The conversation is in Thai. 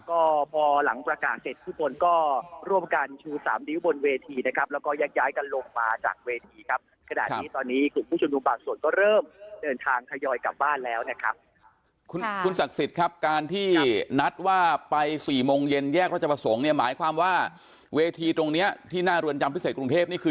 ก็พอหลังประกาศเสร็จทุกคนก็ร่วมกันชูสามนิ้วบนเวทีนะครับแล้วก็แยกย้ายกันลงมาจากเวทีครับขนาดนี้ตอนนี้กลุ่มผู้ชุมนุมบางส่วนก็เริ่มเดินทางทยอยกลับบ้านแล้วนะครับคุณคุณศักดิ์สิทธิ์ครับการที่นัดว่าไปสี่โมงเย็นแยกราชประสงค์เนี่ยหมายความว่าเวทีตรงเนี้ยที่หน้าเรือนจำพิเศษกรุงเทพนี่คือ